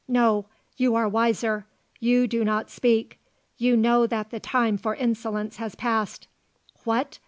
"No; you are wiser. You do not speak. You know that the time for insolence has passed. What!